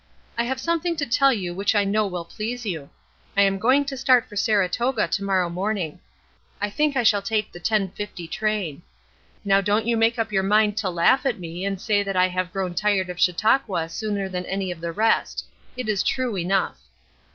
I have something to tell you which I know will please you. I am going to start for Saratoga to morrow morning. I think I shall take the 10:50 train. Now don't you make up your mind to laugh at me and say that I have grown tired of Chautauqua sooner than any of the rest. It is true enough.